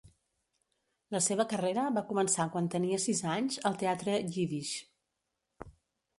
La seva carrera va començar quan tenia sis anys al teatre Yiddish.